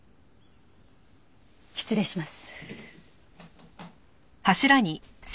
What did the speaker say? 失礼します。